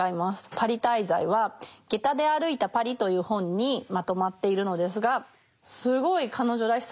パリ滞在は「下駄で歩いた巴里」という本にまとまっているのですがすごい彼女らしさ